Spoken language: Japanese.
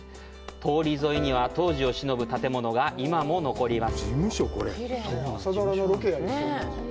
通り沿いには、当時をしのぶ建物が今も残ります。